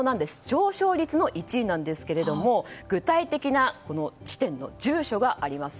上昇率の１位なんですが具体的な地点の住所があります。